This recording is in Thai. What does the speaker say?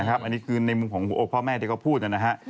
อันนี้คือในมุมของพ่อแม่ตลอดที่พ่อพูดนะฮะ